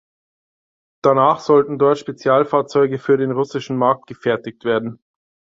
Danach sollten dort Spezialfahrzeuge für den russischen Markt gefertigt werden.